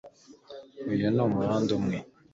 Uyu ni umuhanda umwe